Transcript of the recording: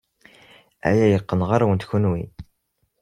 Aya yeqqen ɣer-wen kenwi.